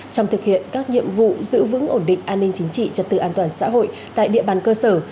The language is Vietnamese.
trong thực hiện các nhiệm vụ giữ vững ổn định an ninh chính trị trật tự an toàn xã hội tại địa bàn cơ sở